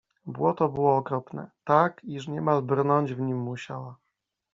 Błoto było okropne — tak, iż niemal brnąć w nim musiała.